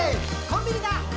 「コンビニだ！